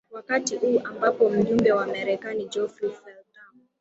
wakati huu ambapo mjumbe wa marekani geoffrey feltham